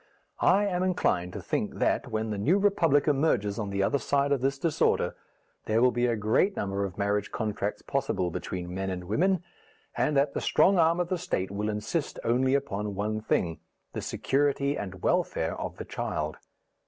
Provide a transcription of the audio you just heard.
I am inclined to think that, when the New Republic emerges on the other side of this disorder, there will be a great number of marriage contracts possible between men and women, and that the strong arm of the State will insist only upon one thing the security and welfare of the child.